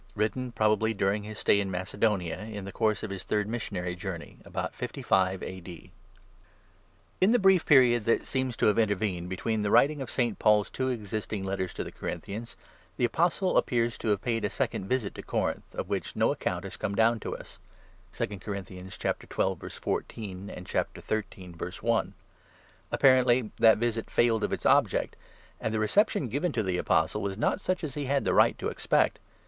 WRITTEN PROBABLY DURING HIS STAY IN MACEDONIA, IN THE COURSE OF HIS THIRD MISSIONARY JOURNEY, ABOUT 55 A.D. IN the brief period that seems to have intervened between the writing of St. Paul's two existing Letters to the Corinthians, the Apostle appears to have paid a second visit to Corinth, of which no account has come down to us (2 Cor. 12. 14 ; 13. i.). Apparently that visit failed of its object, and the reception given to the Apostle was not such as he had the right to expect.